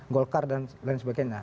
golkar dan lain sebagainya